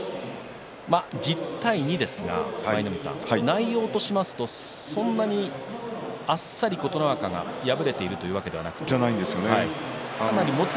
１０対２ですが、舞の海さん内容とするとそんなにあっさり琴ノ若が敗れているというわけではないですよね。